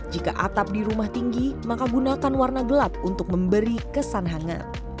jika atap di rumah tinggi maka gunakan warna gelap untuk memberi kesan hangat